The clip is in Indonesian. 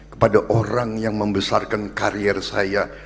kepada orang yang membesarkan karier saya